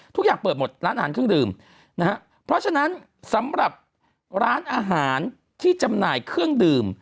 ทุกอย่างเปิดหมดร้านอาหารเครื่องดื่มนะฮะเพราะฉะนั้นสำหรับร้านอาหารที่จำหน่ายเครื่องดื่ม